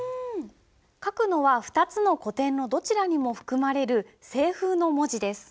書くのは２つの古典のどちらにも含まれる「清風」の文字です。